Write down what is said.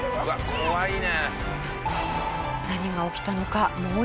怖いね。